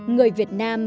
người việt nam